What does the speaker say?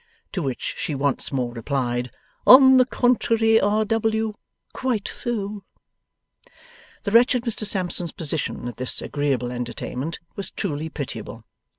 To which she once more replied, 'On the contrary, R. W. Quite so.' The wretched Mr Sampson's position at this agreeable entertainment was truly pitiable.